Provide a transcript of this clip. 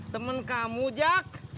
temen kamu jak